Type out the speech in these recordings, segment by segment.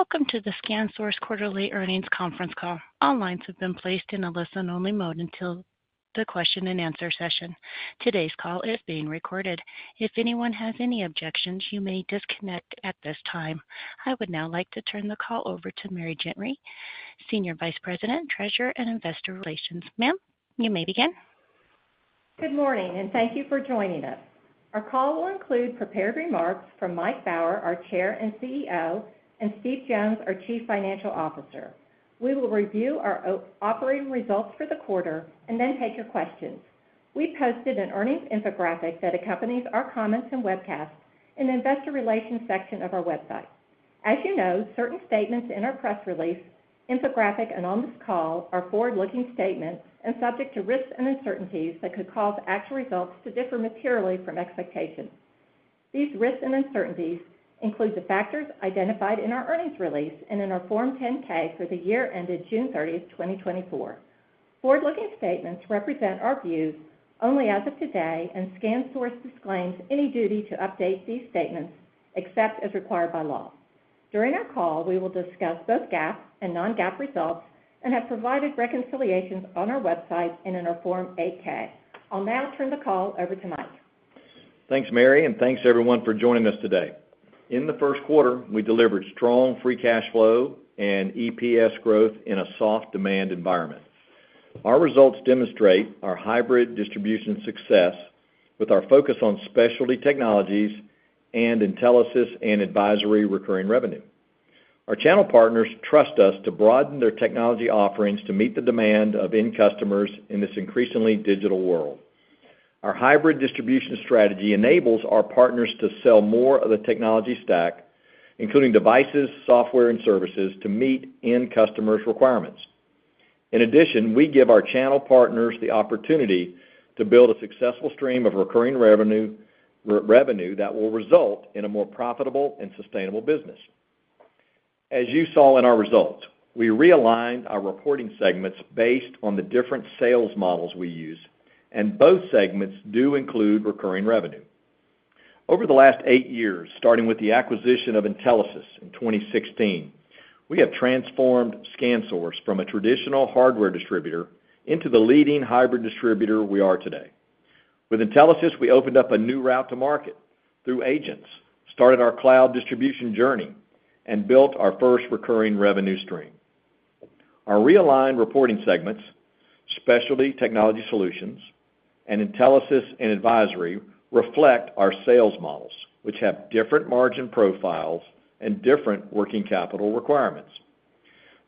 Welcome to the ScanSource Quarterly Earnings Conference Call. All lines have been placed in a listen-only mode until the question-and-answer session. Today's call is being recorded. If anyone has any objections, you may disconnect at this time. I would now like to turn the call over to Mary Gentry, Senior Vice President, Treasurer, and Investor Relations. Ma'am, you may begin. Good morning, and thank you for joining us. Our call will include prepared remarks from Mike Baur, our Chair and CEO, and Steve Jones, our Chief Financial Officer. We will review our operating results for the quarter and then take your questions. We posted an earnings infographic that accompanies our comments and webcast in the Investor Relations section of our website. As you know, certain statements in our press release, infographic, and on this call are forward-looking statements and subject to risks and uncertainties that could cause actual results to differ materially from expectations. These risks and uncertainties include the factors identified in our earnings release and in our Form 10-K for the year ended June 30th, 2024. Forward-looking statements represent our views only as of today, and ScanSource disclaims any duty to update these statements except as required by law. During our call, we will discuss both GAAP and non-GAAP results and have provided reconciliations on our website and in our Form 8-K. I'll now turn the call over to Mike. Thanks, Mary, and thanks, everyone, for joining us today. In the first quarter, we delivered strong free cash flow and EPS growth in a soft demand environment. Our results demonstrate our hybrid distribution success with our focus on specialty technologies and intelligence and advisory recurring revenue. Our channel partners trust us to broaden their technology offerings to meet the demand of end customers in this increasingly digital world. Our hybrid distribution strategy enables our partners to sell more of the technology stack, including devices, software, and services to meet end customers' requirements. In addition, we give our channel partners the opportunity to build a successful stream of recurring revenue that will result in a more profitable and sustainable business. As you saw in our results, we realigned our reporting segments based on the different sales models we use, and both segments do include recurring revenue. Over the last eight years, starting with the acquisition of Intelisys in 2016, we have transformed ScanSource from a traditional hardware distributor into the leading hybrid distributor we are today. With Intelisys, we opened up a new route to market through agents, started our cloud distribution journey, and built our first recurring revenue stream. Our realigned reporting segments, Specialty Technology Solutions, and Intelisys and Advisory reflect our sales models, which have different margin profiles and different working capital requirements.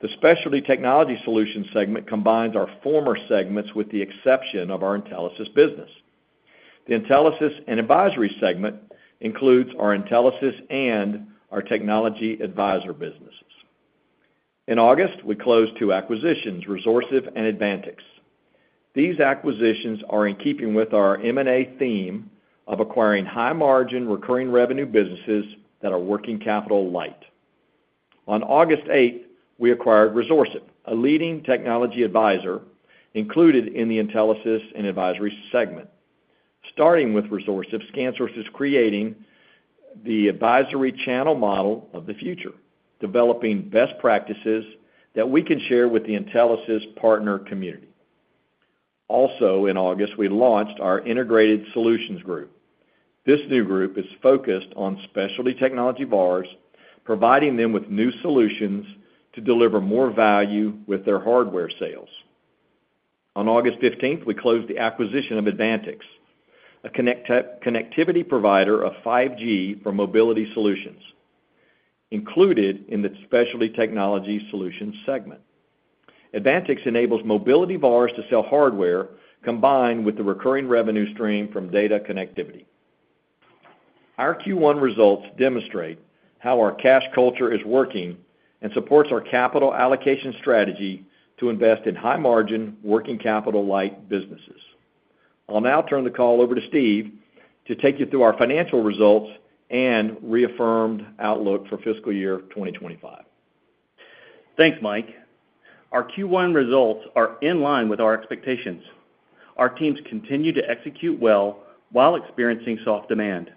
The Specialty Technology Solutions segment combines our former segments with the exception of our Intelisys business. The Intelisys and Advisory segment includes our Intelisys and our technology advisor businesses. In August, we closed two acquisitions, Resourcive and Advantix. These acquisitions are in keeping with our M&A theme of acquiring high-margin recurring revenue businesses that are working capital light. On August 8th, we acquired Resourcive, a leading technology advisor included in the Intelisys and Advisory segment. Starting with Resourcive, ScanSource is creating the advisory channel model of the future, developing best practices that we can share with the Intelisys partner community. Also, in August, we launched our Integrated Solutions Group. This new group is focused on specialty technology VARs, providing them with new solutions to deliver more value with their hardware sales. On August 15th, we closed the acquisition of Advantix, a connectivity provider of 5G for mobility solutions, included in the Specialty Technology Solutions segment. Advantix enables mobility VARs to sell hardware combined with the recurring revenue stream from data connectivity. Our Q1 results demonstrate how our cash culture is working and supports our capital allocation strategy to invest in high-margin working capital light businesses. I'll now turn the call over to Steve to take you through our financial results and reaffirmed outlook for fiscal year 2025. Thanks, Mike. Our Q1 results are in line with our expectations. Our teams continue to execute well while experiencing soft demand.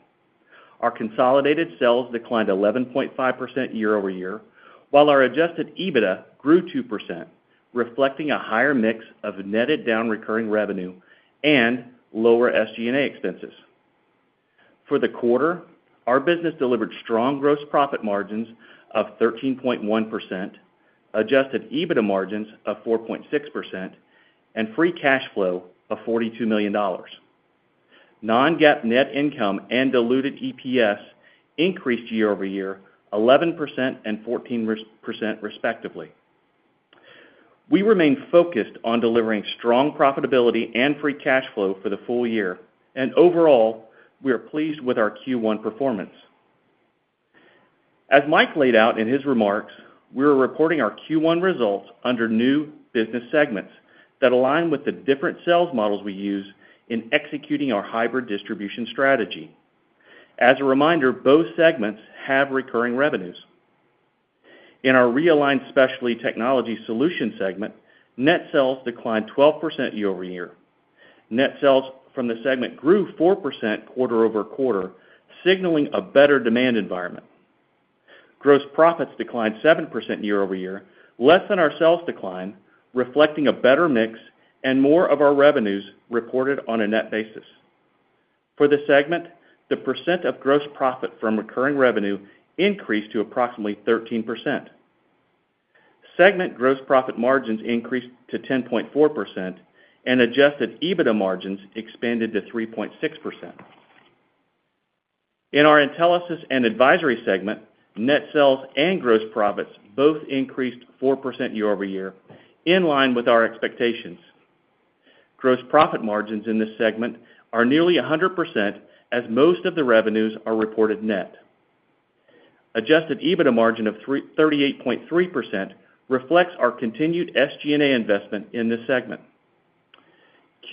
Our consolidated sales declined 11.5% year over year, while our Adjusted EBITDA grew 2%, reflecting a higher mix of netted down recurring revenue and lower SG&A expenses. For the quarter, our business delivered strong gross profit margins of 13.1%, Adjusted EBITDA margins of 4.6%, and free cash flow of $42 million. Non-GAAP net income and diluted EPS increased year over year, 11% and 14% respectively. We remain focused on delivering strong profitability and free cash flow for the full year, and overall, we are pleased with our Q1 performance. As Mike laid out in his remarks, we are reporting our Q1 results under new business segments that align with the different sales models we use in executing our hybrid distribution strategy. As a reminder, both segments have recurring revenues. In our realigned Specialty Technology Solution segment, net sales declined 12% year over year. Net sales from the segment grew 4% quarter over quarter, signaling a better demand environment. Gross profits declined 7% year over year, less than our sales decline, reflecting a better mix and more of our revenues reported on a net basis. For the segment, the percent of gross profit from recurring revenue increased to approximately 13%. Segment gross profit margins increased to 10.4%, and adjusted EBITDA margins expanded to 3.6%. In our Intelisys and Advisory segment, net sales and gross profits both increased 4% year over year, in line with our expectations. Gross profit margins in this segment are nearly 100%, as most of the revenues are reported net. Adjusted EBITDA margin of 38.3% reflects our continued SG&A investment in this segment.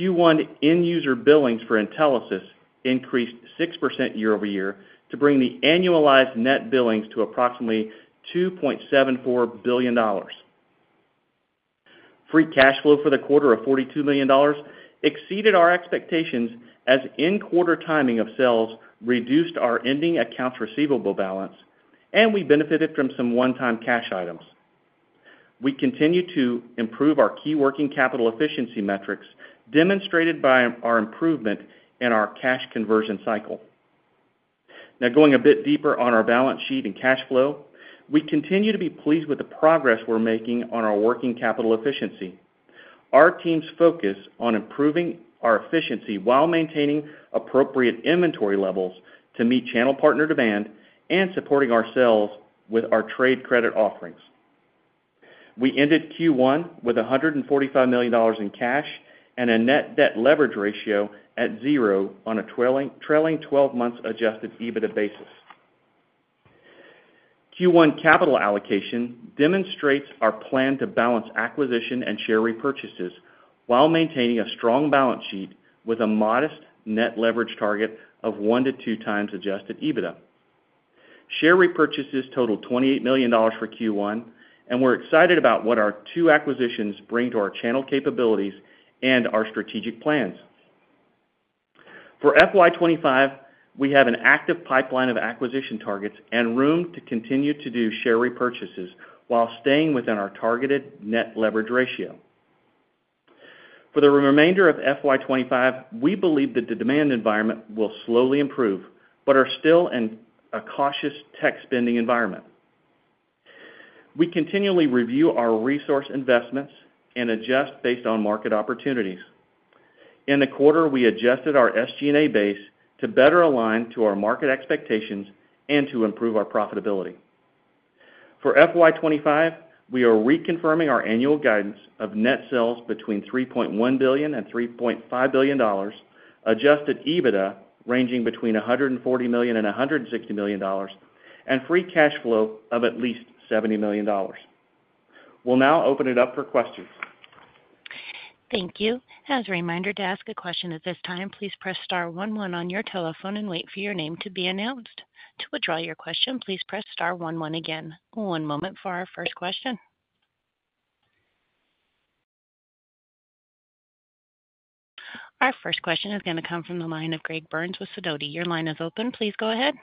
Q1 end user billings for Intelisys increased 6% year over year to bring the annualized net billings to approximately $2.74 billion. Free cash flow for the quarter of $42 million exceeded our expectations, as in-quarter timing of sales reduced our ending accounts receivable balance, and we benefited from some one-time cash items. We continue to improve our key working capital efficiency metrics, demonstrated by our improvement in our cash conversion cycle. Now, going a bit deeper on our balance sheet and cash flow, we continue to be pleased with the progress we're making on our working capital efficiency. Our teams focus on improving our efficiency while maintaining appropriate inventory levels to meet channel partner demand and supporting ourselves with our trade credit offerings. We ended Q1 with $145 million in cash and a net debt leverage ratio at zero on a trailing 12-month adjusted EBITDA basis. Q1 capital allocation demonstrates our plan to balance acquisition and share repurchases while maintaining a strong balance sheet with a modest net leverage target of one to two times Adjusted EBITDA. Share repurchases totaled $28 million for Q1, and we're excited about what our two acquisitions bring to our channel capabilities and our strategic plans. For FY25, we have an active pipeline of acquisition targets and room to continue to do share repurchases while staying within our targeted net leverage ratio. For the remainder of FY25, we believe that the demand environment will slowly improve but are still in a cautious tech spending environment. We continually review our resource investments and adjust based on market opportunities. In the quarter, we adjusted our SG&A base to better align to our market expectations and to improve our profitability. For FY25, we are reconfirming our annual guidance of net sales between $3.1 billion and $3.5 billion, Adjusted EBITDA ranging between $140 million and $160 million, and free cash flow of at least $70 million. We'll now open it up for questions. Thank you. As a reminder to ask a question at this time, please press star 11 on your telephone and wait for your name to be announced. To withdraw your question, please press star 11 again. One moment for our first question. Our first question is going to come from the line of Greg Burns with Sidoti. Your line is open. Please go ahead.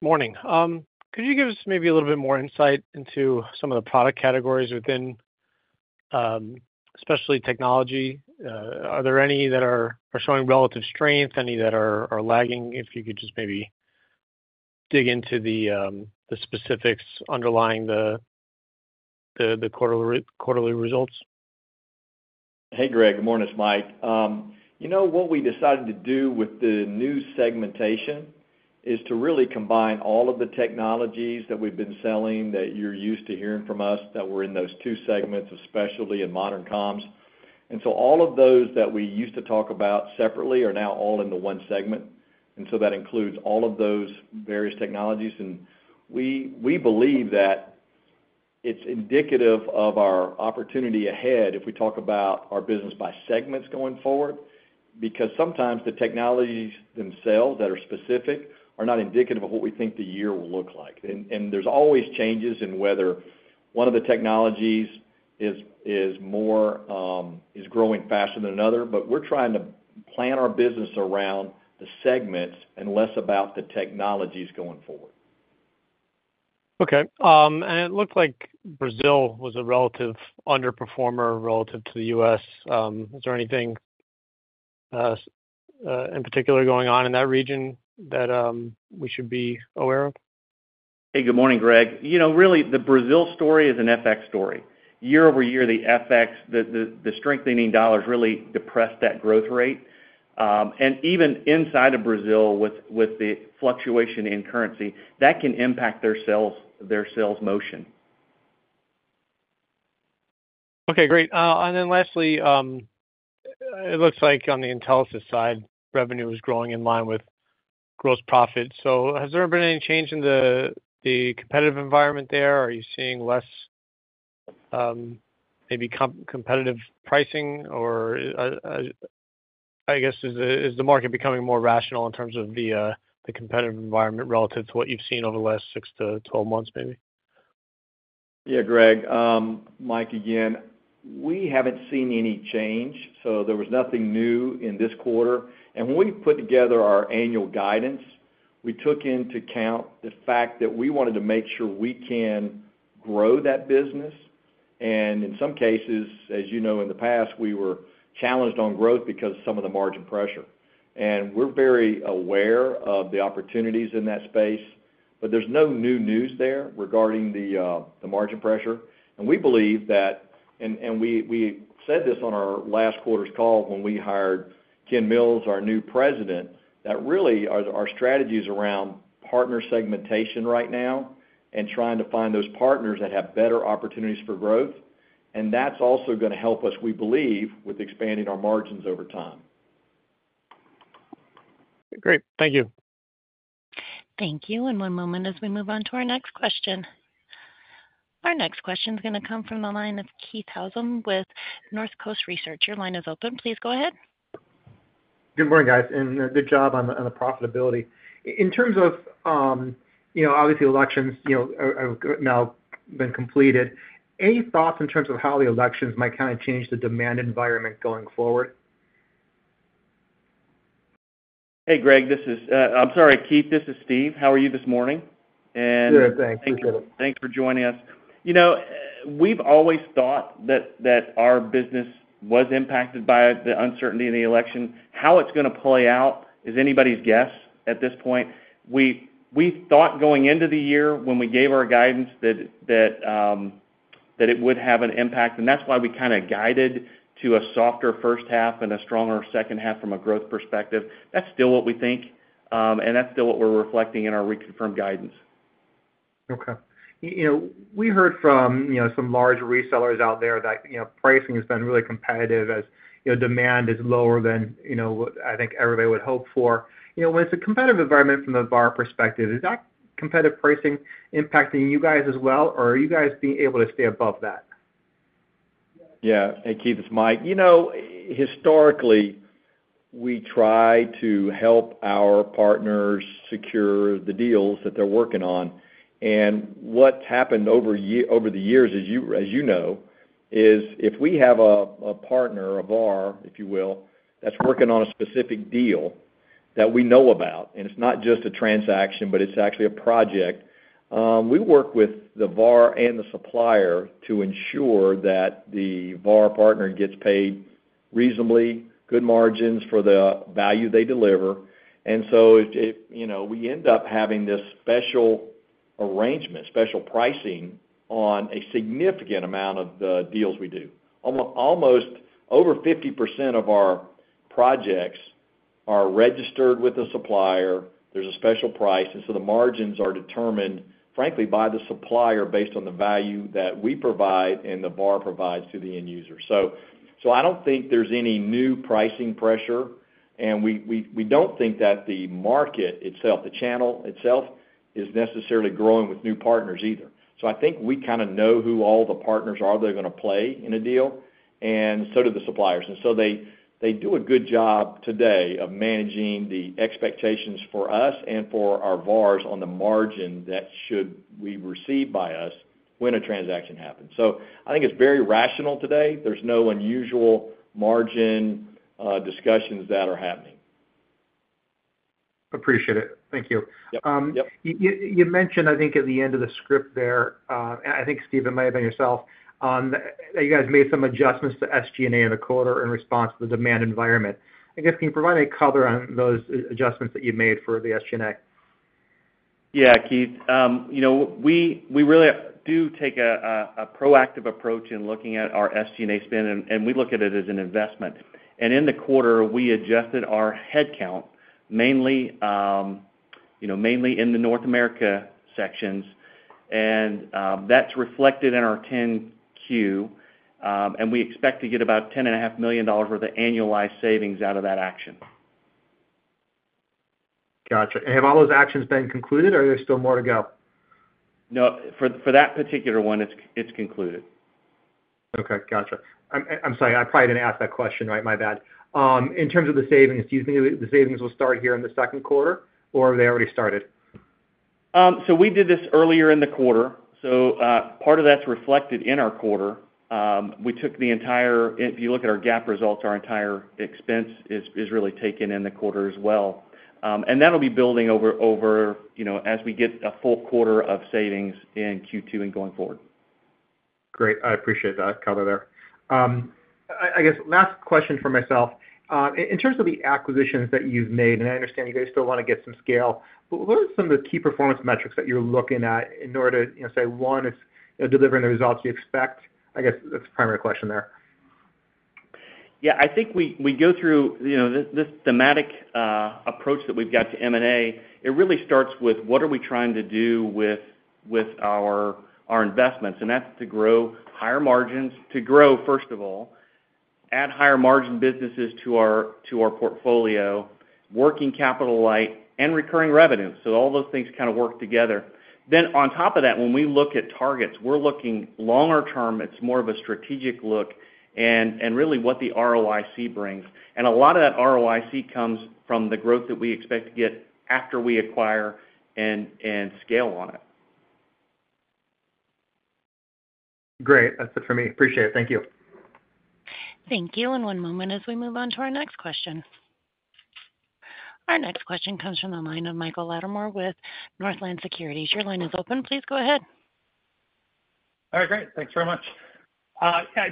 Morning. Could you give us maybe a little bit more insight into some of the product categories within specialty technology? Are there any that are showing relative strength, any that are lagging? If you could just maybe dig into the specifics underlying the quarterly results. Hey, Greg. Good morning. It's Mike. You know what we decided to do with the new segmentation is to really combine all of the technologies that we've been selling that you're used to hearing from us that were in those two segments, especially in modern comms. And so all of those that we used to talk about separately are now all in the one segment. And so that includes all of those various technologies. We believe that it's indicative of our opportunity ahead if we talk about our business by segments going forward, because sometimes the technologies themselves that are specific are not indicative of what we think the year will look like. There's always changes in whether one of the technologies is growing faster than another, but we're trying to plan our business around the segments and less about the technologies going forward. Okay. And it looked like Brazil was a relative underperformer relative to the U.S. Is there anything in particular going on in that region that we should be aware of? Hey, good morning, Greg. Really, the Brazil story is an FX story. Year over year, the strengthening dollars really depressed that growth rate, and even inside of Brazil, with the fluctuation in currency, that can impact their sales motion. Okay. Great. And then lastly, it looks like on the Intelisys side, revenue is growing in line with gross profit. So has there been any change in the competitive environment there? Are you seeing less maybe competitive pricing? Or I guess, is the market becoming more rational in terms of the competitive environment relative to what you've seen over the last six to 12 months, maybe? Yeah, Greg, Mike again. We haven't seen any change. So there was nothing new in this quarter. When we put together our annual guidance, we took into account the fact that we wanted to make sure we can grow that business. In some cases, as you know, in the past, we were challenged on growth because of some of the margin pressure. We're very aware of the opportunities in that space, but there's no new news there regarding the margin pressure. We believe that, and we said this on our last quarter's call when we hired Ken Mills, our new President, that really our strategy is around partner segmentation right now and trying to find those partners that have better opportunities for growth. That's also going to help us, we believe, with expanding our margins over time. Great. Thank you. Thank you, and one moment as we move on to our next question. Our next question is going to come from the line of Keith Housum with North Coast Research. Your line is open. Please go ahead. Good morning, guys. Good job on the profitability. In terms of, obviously, elections have now been completed, any thoughts in terms of how the elections might kind of change the demand environment going forward? Hey, Greg. I'm sorry, Keith. This is Steve. How are you this morning? And thanks for joining us. We've always thought that our business was impacted by the uncertainty in the election. How it's going to play out is anybody's guess at this point. We thought going into the year when we gave our guidance that it would have an impact. And that's why we kind of guided to a softer first half and a stronger second half from a growth perspective. That's still what we think, and that's still what we're reflecting in our reconfirmed guidance. Okay. We heard from some large resellers out there that pricing has been really competitive as demand is lower than I think everybody would hope for. When it's a competitive environment from the VAR perspective, is that competitive pricing impacting you guys as well, or are you guys being able to stay above that? Yeah. Hey, Keith, it's Mike. Historically, we try to help our partners secure the deals that they're working on. And what's happened over the years, as you know, is if we have a partner, a VAR, if you will, that's working on a specific deal that we know about, and it's not just a transaction, but it's actually a project, we work with the VAR and the supplier to ensure that the VAR partner gets paid reasonably good margins for the value they deliver. And so we end up having this special arrangement, special pricing on a significant amount of the deals we do. Almost over 50% of our projects are registered with a supplier. There's a special price. And so the margins are determined, frankly, by the supplier based on the value that we provide and the VAR provides to the end user. So I don't think there's any new pricing pressure. And we don't think that the market itself, the channel itself, is necessarily growing with new partners either. So I think we kind of know who all the partners are, they're going to play in a deal, and so do the suppliers. And so they do a good job today of managing the expectations for us and for our VARs on the margin that should be received by us when a transaction happens. So I think it's very rational today. There's no unusual margin discussions that are happening. Appreciate it. Thank you. You mentioned, I think, at the end of the script there, I think, Steve, it might have been yourself, that you guys made some adjustments to SG&A in the quarter in response to the demand environment. I guess, can you provide a color on those adjustments that you made for the SG&A? Yeah, Keith. We really do take a proactive approach in looking at our SG&A spend, and we look at it as an investment. In the quarter, we adjusted our headcount mainly in the North America sections. That's reflected in our 10-Q. We expect to get about $10.5 million worth of annualized savings out of that action. Gotcha. And have all those actions been concluded, or are there still more to go? No. For that particular one, it's concluded. Okay. Gotcha. I'm sorry. I probably didn't ask that question right. My bad. In terms of the savings, do you think the savings will start here in the second quarter, or have they already started? So we did this earlier in the quarter. So part of that's reflected in our quarter. We took the entire, if you look at our GAAP results, our entire expense is really taken in the quarter as well, and that'll be building over as we get a full quarter of savings in Q2 and going forward. Great. I appreciate that color there. I guess, last question for myself. In terms of the acquisitions that you've made, and I understand you guys still want to get some scale, but what are some of the key performance metrics that you're looking at in order to, say, one, it's delivering the results you expect? I guess that's the primary question there. Yeah. I think we go through this thematic approach that we've got to M&A. It really starts with what are we trying to do with our investments. And that's to grow higher margins, to grow, first of all, add higher margin businesses to our portfolio, working capital light, and recurring revenue. So all those things kind of work together. Then on top of that, when we look at targets, we're looking longer term. It's more of a strategic look and really what the ROIC brings. And a lot of that ROIC comes from the growth that we expect to get after we acquire and scale on it. Great. That's it for me. Appreciate it. Thank you. Thank you, and one moment as we move on to our next question. Our next question comes from the line of Michael Latimore with Northland Securities. Your line is open. Please go ahead. All right. Great. Thanks very much.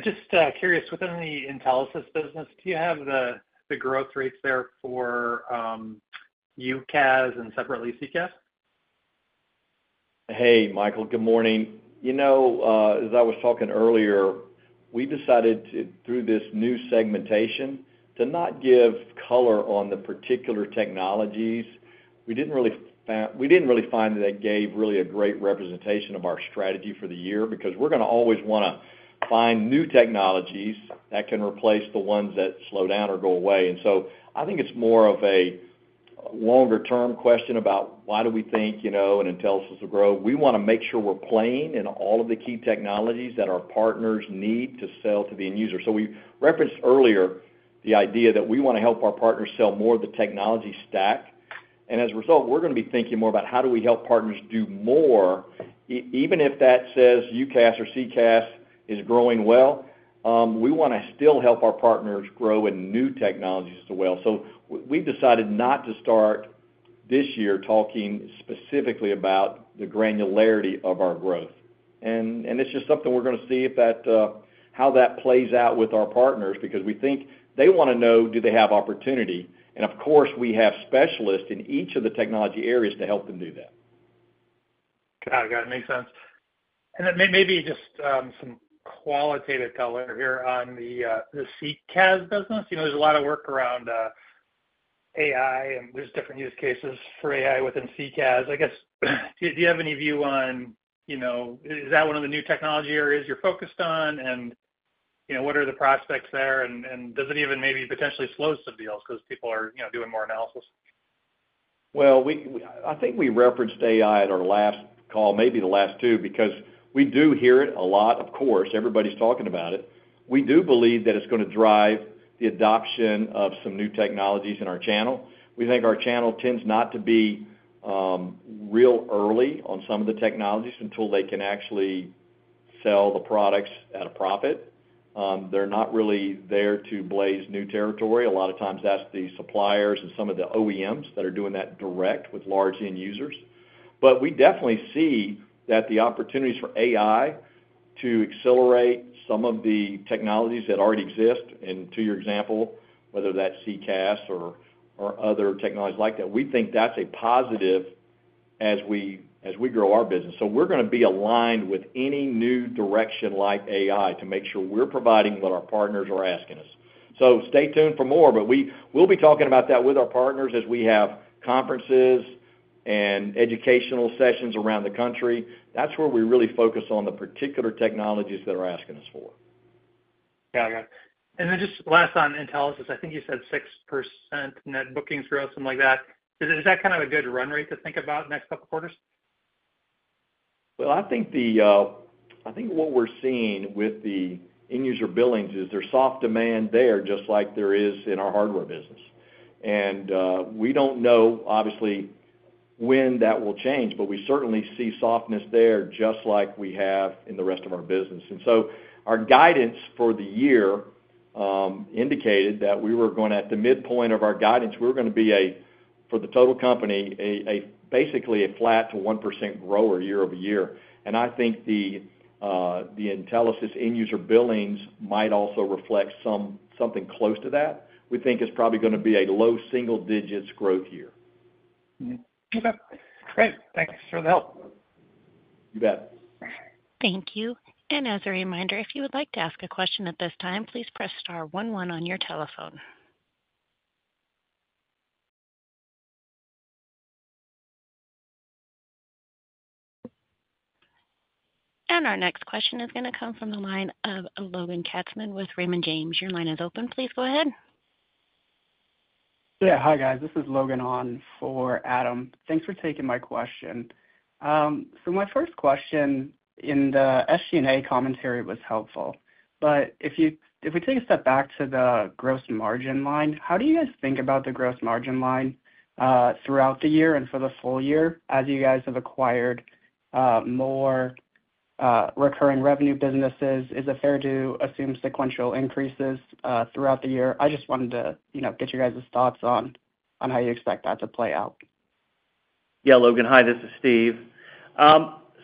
Just curious, within the Intelisys business, do you have the growth rates there for UCaaS and separately CCaaS? Hey, Michael. Good morning. As I was talking earlier, we decided through this new segmentation to not give color on the particular technologies. We didn't really find that they gave really a great representation of our strategy for the year because we're going to always want to find new technologies that can replace the ones that slow down or go away. And so I think it's more of a longer-term question about why do we think an Intelisys will grow. We want to make sure we're playing in all of the key technologies that our partners need to sell to the end user. So we referenced earlier the idea that we want to help our partners sell more of the technology stack. And as a result, we're going to be thinking more about how do we help partners do more. Even if that says UCaaS or CCaaS is growing well, we want to still help our partners grow in new technologies as well. So we've decided not to start this year talking specifically about the granularity of our growth. And it's just something we're going to see how that plays out with our partners because we think they want to know, do they have opportunity? And of course, we have specialists in each of the technology areas to help them do that. Got it. Got it. Makes sense. And then maybe just some qualitative color here on the CCaaS business. There's a lot of work around AI, and there's different use cases for AI within CCaaS. I guess, do you have any view on is that one of the new technology areas you're focused on? And what are the prospects there? And does it even maybe potentially slow some deals because people are doing more analysis? I think we referenced AI at our last call, maybe the last two, because we do hear it a lot. Of course, everybody's talking about it. We do believe that it's going to drive the adoption of some new technologies in our channel. We think our channel tends not to be real early on some of the technologies until they can actually sell the products at a profit. They're not really there to blaze new territory. A lot of times, that's the suppliers and some of the OEMs that are doing that direct with large end users. But we definitely see that the opportunities for AI to accelerate some of the technologies that already exist, and to your example, whether that's CCaaS or other technologies like that, we think that's a positive as we grow our business. So we're going to be aligned with any new direction like AI to make sure we're providing what our partners are asking us. So stay tuned for more. But we'll be talking about that with our partners as we have conferences and educational sessions around the country. That's where we really focus on the particular technologies that are asking us for. Got it. Got it. And then just last on Intelisys, I think you said 6% net bookings growth, something like that. Is that kind of a good run rate to think about next couple of quarters? I think what we're seeing with the end user billings is there's soft demand there just like there is in our hardware business. We don't know, obviously, when that will change, but we certainly see softness there just like we have in the rest of our business. Our guidance for the year indicated that we were going at the midpoint of our guidance, we were going to be, for the total company, basically a flat to 1% grower year over year. I think the Intelisys end user billings might also reflect something close to that. We think it's probably going to be a low single-digit growth year. Okay. Great. Thanks for the help. You bet. Thank you. And as a reminder, if you would like to ask a question at this time, please press star 11 on your telephone. And our next question is going to come from the line of Logan Katzman with Raymond James. Your line is open. Please go ahead. Yeah. Hi, guys. This is Logan Katzman for Adam. Thanks for taking my question. So my first question in the SG&A commentary was helpful. But if we take a step back to the gross margin line, how do you guys think about the gross margin line throughout the year and for the full year as you guys have acquired more recurring revenue businesses? Is it fair to assume sequential increases throughout the year? I just wanted to get you guys' thoughts on how you expect that to play out. Yeah, Logan. Hi, this is Steve.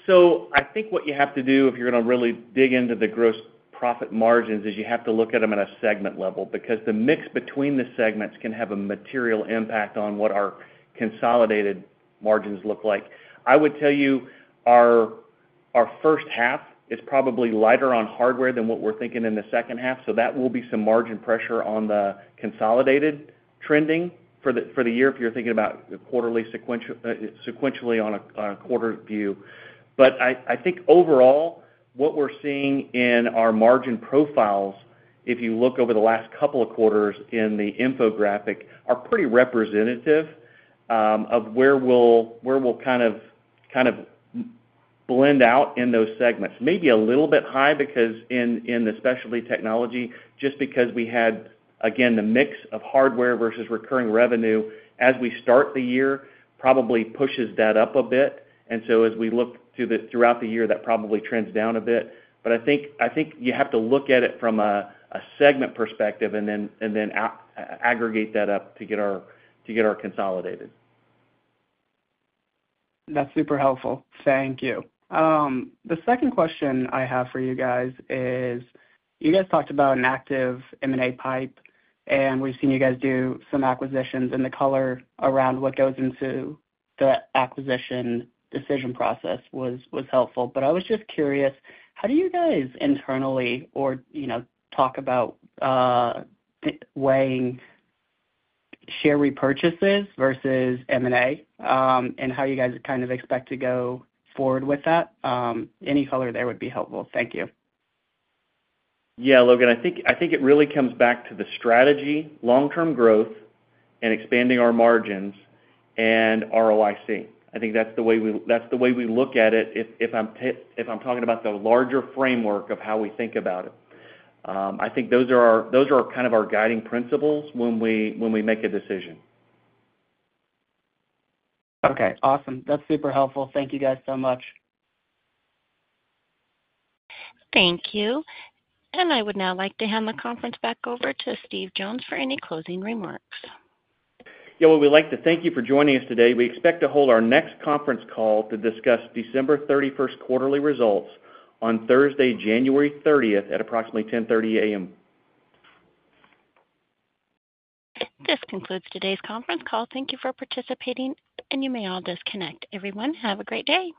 So I think what you have to do if you're going to really dig into the gross profit margins is you have to look at them at a segment level because the mix between the segments can have a material impact on what our consolidated margins look like. I would tell you our first half is probably lighter on hardware than what we're thinking in the second half. So that will be some margin pressure on the consolidated trending for the year if you're thinking about quarterly sequentially on a quarter view. But I think overall, what we're seeing in our margin profiles, if you look over the last couple of quarters in the infographic, are pretty representative of where we'll kind of blend out in those segments. Maybe a little bit high because in the specialty technology, just because we had, again, the mix of hardware versus recurring revenue as we start the year probably pushes that up a bit. And so as we look throughout the year, that probably trends down a bit. But I think you have to look at it from a segment perspective and then aggregate that up to get our consolidated. That's super helpful. Thank you. The second question I have for you guys is you guys talked about an active M&A pipe, and we've seen you guys do some acquisitions. And the color around what goes into the acquisition decision process was helpful. But I was just curious, how do you guys internally talk about weighing share repurchases versus M&A and how you guys kind of expect to go forward with that? Any color there would be helpful. Thank you. Yeah, Logan. I think it really comes back to the strategy, long-term growth, and expanding our margins and ROIC. I think that's the way we look at it if I'm talking about the larger framework of how we think about it. I think those are kind of our guiding principles when we make a decision. Okay. Awesome. That's super helpful. Thank you guys so much. Thank you. And I would now like to hand the conference back over to Steve Jones for any closing remarks. Yeah. Well, we'd like to thank you for joining us today. We expect to hold our next conference call to discuss December 31st quarterly results on Thursday, January 30th at approximately 10:30 A.M. This concludes today's conference call. Thank you for participating, and you may all disconnect. Everyone, have a great day.